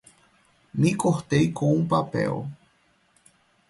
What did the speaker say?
Me cortei com o papel